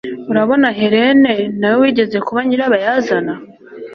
Urabona Hélène nawe wigeze kuba nyirabayazana